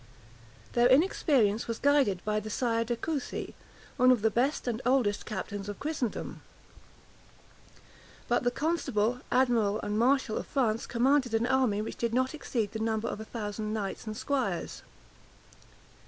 Their inexperience was guided by the Sire de Coucy, one of the best and oldest captain of Christendom; 62 but the constable, admiral, and marshal of France 63 commanded an army which did not exceed the number of a thousand knights and squires.